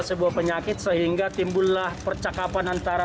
dengan perangkat yang berbeda dengan perangkat yang berbeda